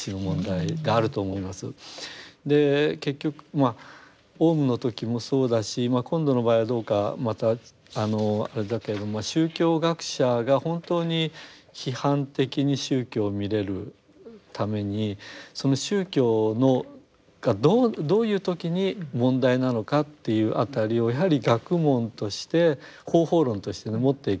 結局まあオウムの時もそうだし今度の場合はどうかまたあれだけれども宗教学者が本当に批判的に宗教を見れるためにその宗教がどういう時に問題なのかっていう辺りをやはり学問として方法論としてね持っていく。